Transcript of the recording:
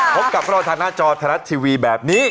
พบกับเราทางหน้าจอไทยรัฐทีวีแบบนี้